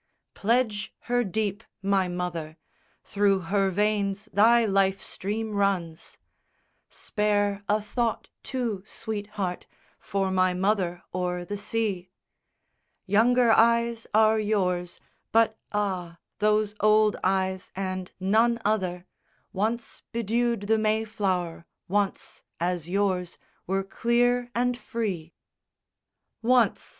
IV Pledge her deep, my mother; Through her veins thy life stream runs! Spare a thought, too, sweetheart, for my mother o'er the sea! Younger eyes are yours; but ah, those old eyes and none other Once bedewed the may flower; once, As yours, were clear and free. V Once!